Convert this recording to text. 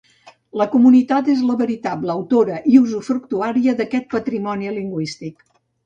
La comunitat és la veritable autora i usufructuària d'aquest patrimoni lingüístic.